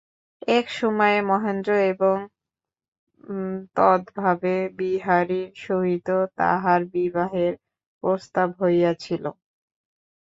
এক সময়ে মহেন্দ্র এবং তদভাবে বিহারীর সহিত তাহার বিবাহের প্রস্তাব হইয়াছিল।